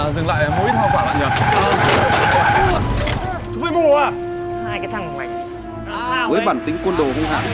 với bản tính quân đồ hung hạ